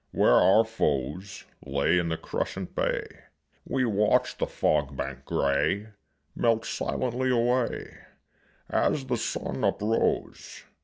Where our foes Lay in the crescent bay We watched the fog bank gray Melt silently away As the sun uprose.